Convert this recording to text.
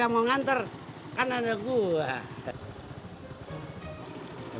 ini hewan pakan dik faster